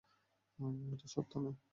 এটা সত্য নয়!